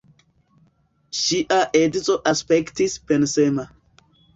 Ŝia edzo aspektis pensema.